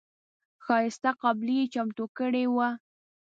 ښایسته قابلي یې چمتو کړې وه.